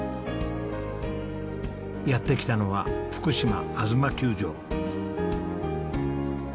やって来たのは福島あづま球場。